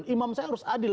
imam saya harus adil